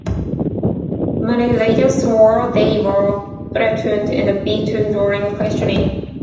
Many later swore they were threatened and beaten during questioning.